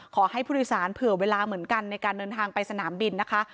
ขอให้ผู้โดยสารเผื่อเวลาเหมือนกันในการเดินทางไปสนามบินนะคะ